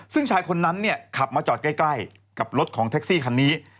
ซึ่งชายคนนั้นเนี่ยขับมาจอดใกล้กับรถของแท็กซี่คันนี้